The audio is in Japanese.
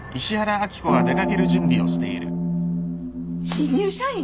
新入社員？